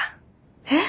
えっ？